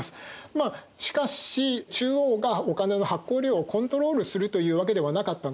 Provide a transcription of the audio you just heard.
まあしかし中央がお金の発行量をコントロールするというわけではなかったんですね。